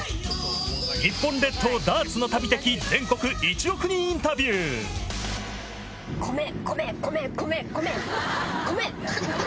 日本列島ダーツの旅的全国１億人インタビュ米、米、米、米、米、米。